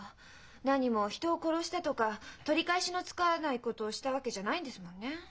なにも人を殺したとか取り返しのつかないことをしたわけじゃないんですもんねえ。